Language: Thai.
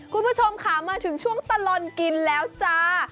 คุณผู้ชมค่ะมาถึงช่วงตลอดกินแล้วจ้า